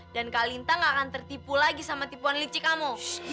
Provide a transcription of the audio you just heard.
dan kak linta gak akan tertipu lagi sama tipuan licik kamu